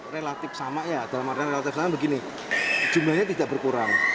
relatif sama ya dalam artian relatif sama begini jumlahnya tidak berkurang